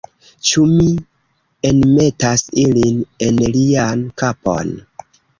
Ĉu mi enmetas ilin en lian kapon?